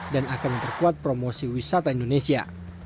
dan akan memperkuat promosi wisata indonesia